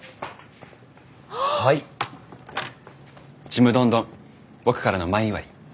ちむどんどん僕からの前祝い。